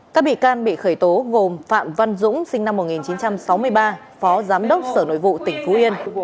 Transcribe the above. các bị can bị khởi tố gồm phạm văn dũng sinh năm một nghìn chín trăm sáu mươi ba phó giám đốc sở nội vụ tỉnh phú yên